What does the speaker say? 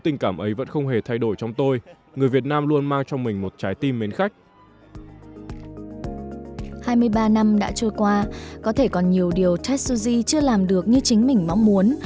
hai mươi ba năm đã trôi qua có thể còn nhiều điều tetsuji chưa làm được như chính mình mong muốn